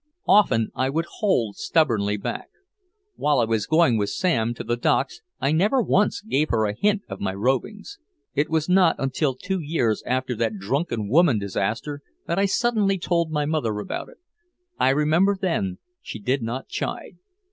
Often I would hold stubbornly back. While I was going with Sam to the docks I never once gave her a hint of my rovings. It was not until two years after that drunken woman disaster that I suddenly told my mother about it. I remember then she did not chide.